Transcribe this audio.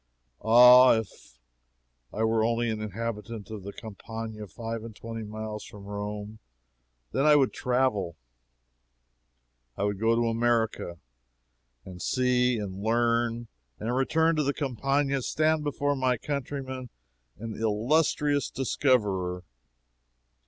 Ah, if I were only a habitant of the Campagna five and twenty miles from Rome! Then I would travel. I would go to America, and see, and learn, and return to the Campagna and stand before my countrymen an illustrious discoverer.